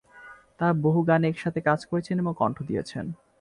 তারা বহু গানে একসাথে কাজ করেছেন এবং কন্ঠ দিয়েছেন।